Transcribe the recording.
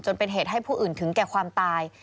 เป็นเหตุให้ผู้อื่นถึงแก่ความตาย